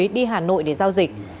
đi hà nội để giao dịch